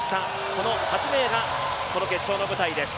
この８名がこの決勝の舞台です。